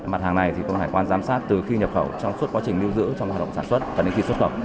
mặt hàng này thì cục hải quan giám sát từ khi nhập khẩu trong suốt quá trình lưu giữ trong hoạt động sản xuất và đến khi xuất khẩu